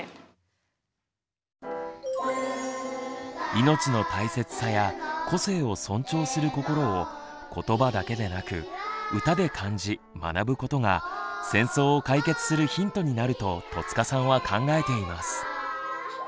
命の大切さや個性を尊重する心を言葉だけでなく歌で感じ学ぶことが戦争を解決するヒントになると戸塚さんは考えています。